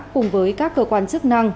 cùng với các cơ quan chức năng